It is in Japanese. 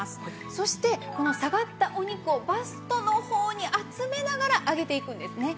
そしてこの下がったお肉をバストの方に集めながら上げていくんですね。